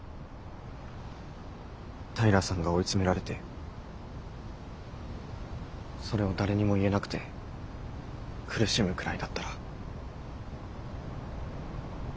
平さんが追い詰められてそれを誰にも言えなくて苦しむくらいだったら。